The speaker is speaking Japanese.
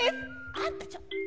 あんたちょっと。